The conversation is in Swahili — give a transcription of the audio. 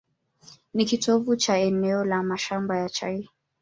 Ni kitovu cha eneo la mashamba ya chai.